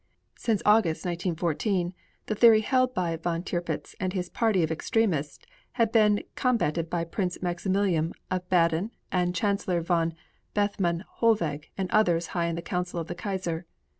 Since August, 1914, the theory held by von Tirpitz and his party of extremists had been combated by Prince Maximilian of Baden and by Chancellor von Bethmann Hollweg and by others high in the council of the Kaiser.